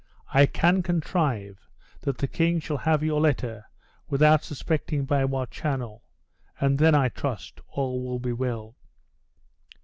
I can contrive that the king shall have your letter without suspecting by what channel; and then, I trust, all will be well."